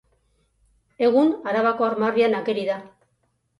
Egun, Arabako armarrian ageri da.